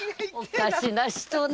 おかしな人ね。